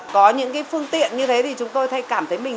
có những cái phương tiện như thế thì chúng tôi thấy cảm thấy mình